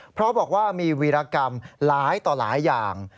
เพราะบอกว่ามีวีรกรรมหลายต่อหลายอย่าง